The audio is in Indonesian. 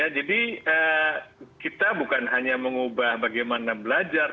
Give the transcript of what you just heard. jadi kita bukan hanya mengubah bagaimana belajar